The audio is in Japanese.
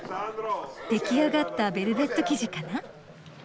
出来上がったベルベット生地かな。